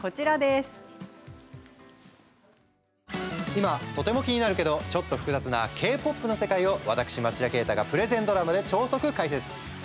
今とても気になるけどちょっと複雑なＫ−ＰＯＰの世界を私、町田啓太がプレゼンドラマで超速解説。